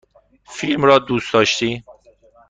فیلم را دوست داشتی؟